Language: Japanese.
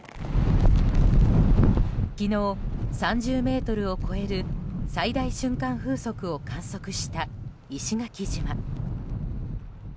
昨日、３０メートルを超える最大瞬間風速を観測した石垣島。